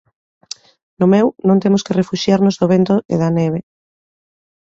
No meu, non temos que refuxiarnos do vento e da neve.